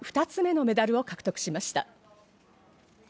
２つ目のメダルを獲得しました。